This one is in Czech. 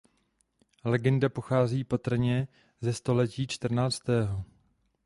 Legenda pochází patrně ze století čtrnáctého.